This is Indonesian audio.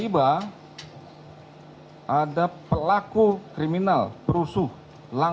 saya akan mencoba